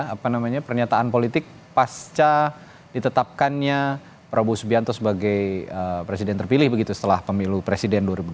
apakah pernyataan pernyataan mengenai ini tuh untuk termasuk di mana proses pemilu di dalam konten politik pasca ditetapkannya prabowo subianto sebagai presiden terpilih begitu setelah pemilu presiden dua ribu dua puluh empat